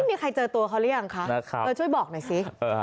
มีใครเจอตัวเขาหรือยังคะช่วยบอกหน่อยสิ